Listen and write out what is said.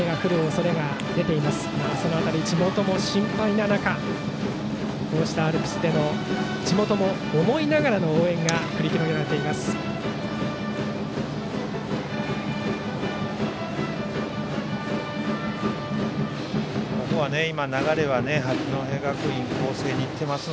その辺り地元も心配な中アルプスでの地元も思いながらの応援が繰り広げられています。